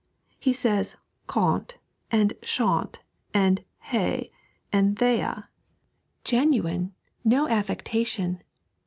He says "cawn't," and "shawn't," and "heah," and "theyah," genuine, no affectation.